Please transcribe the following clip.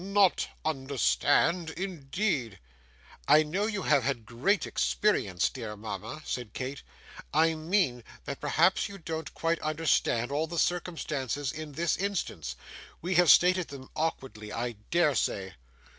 Not understand, indeed!' 'I know you have had great experience, dear mama,' said Kate; 'I mean that perhaps you don't quite understand all the circumstances in this instance. We have stated them awkwardly, I dare say.